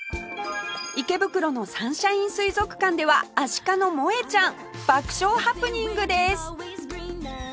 池袋のサンシャイン水族館ではアシカのモエちゃん爆笑ハプニングです